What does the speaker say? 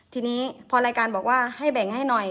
ทีนี้พอรายการบอกว่าให้แบ่งให้หน่อย